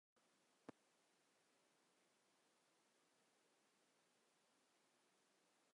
এছাড়াও তিনি একটি উপন্যাস এবং তিনটি ছোট গল্প রচনা করেছিলেন।